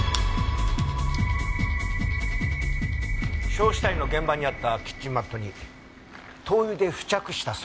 焼死体の現場にあったキッチンマットに灯油で付着した足跡があった。